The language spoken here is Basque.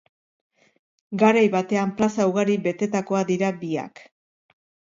Garai batean plaza ugari betetakoak dira biak.